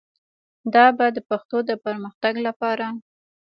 دا به د پښتو د پرمختګ لپاره